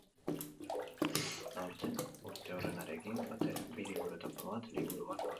Aurten urteurrenarekin batera, bi liburu eta poema liburu bat aurkeztu dituzte.